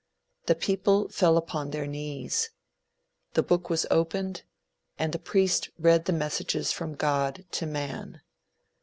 The people fell upon their knees. The book was opened, and the priest read the messages from God to man.